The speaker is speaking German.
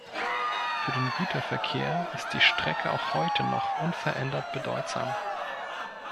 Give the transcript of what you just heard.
Für den Güterverkehr ist die Strecke auch heute noch unverändert bedeutsam.